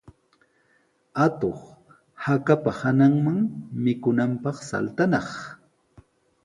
Atuq hakapa hananman mikunanpaq saltanaq.